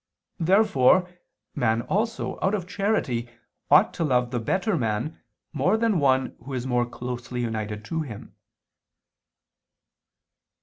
Therefore man also, out of charity, ought to love the better man more than one who is more closely united to him.